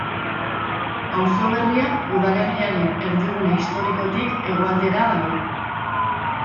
Auzo berria udalerriaren erdigune historikotik hegoaldera dago.